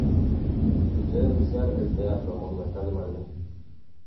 Su sede oficial es el Teatro Monumental de Madrid.